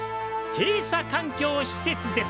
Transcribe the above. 閉鎖環境施設です」。